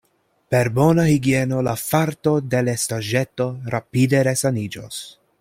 Per bona higieno la farto de l' estaĵeto rapide resaniĝos.